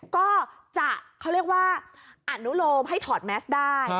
ก็จะเขาเรียกว่าอนุโลมให้ถอดแมสได้